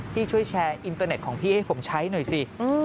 ช่วยแชร์อินเตอร์เน็ตของพี่ให้ผมใช้หน่อยสิ